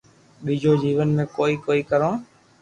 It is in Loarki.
ٻيجو جيون ۾ ڪوئي ڪوئي ڪرو